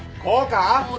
こうか！？